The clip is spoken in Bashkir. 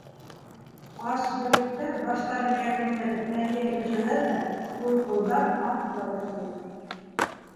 Ас һөлөктәр, баштарын кәкәңләтеп, тәнгә йәбешәләр ҙә, һулҡылдап, ҡан һура башлайҙар.